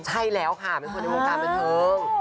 ใช่แล้วค่ะเป็นคนในวงการบันเทิง